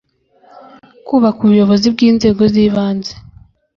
kubaka ubuyobozi bw inzego z ibanze